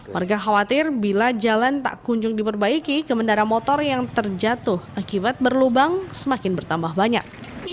warga khawatir bila jalan tak kunjung diperbaiki kemendara motor yang terjatuh akibat berlubang semakin bertambah banyak